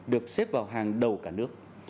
được xếp vào hàng đầu cả nước